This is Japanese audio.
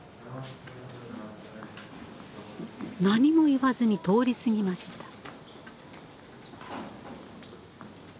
何も言わずに通り過ぎました。